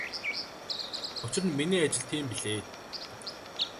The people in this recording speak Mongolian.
Учир нь миний ажил тийм билээ.